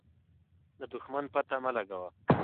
د دښمن پته مه لګوه.